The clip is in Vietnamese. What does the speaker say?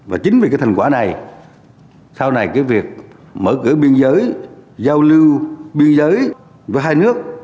và chính vì cái thành quả này sau này cái việc mở cửa biên giới giao lưu biên giới với hai nước